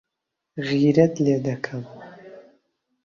غیرەت لێ دەکەم.